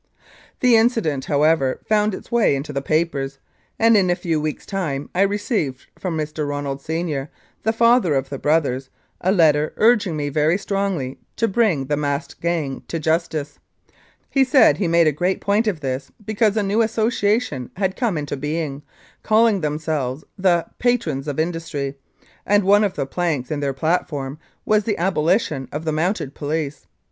The incident, however, found its way into the papers, and in a few weeks* time I received from Mr. Ronald, Senior, the father of the brothers, a letter urging me very strongly to bring the masked gang to justice. He said he made a great point of this, because a new association had come into being, calling themselves the " Patrons of Industry,*' and one of the planks in their platform was the abolition of the Mounted Police.